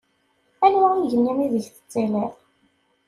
Aniwa igenni ideg i tettiliḍ?